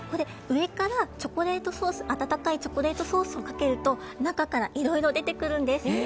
上から温かいチョコレートソースをかけると中からいろいろ出てくるんです。